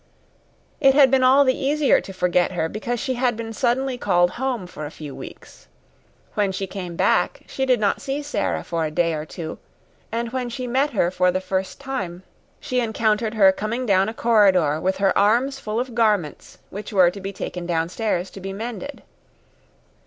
It had been all the easier to forget her because she had been suddenly called home for a few weeks. When she came back she did not see Sara for a day or two, and when she met her for the first time she encountered her coming down a corridor with her arms full of garments which were to be taken downstairs to be mended.